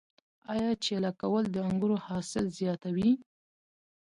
آیا چیله کول د انګورو حاصل زیاتوي؟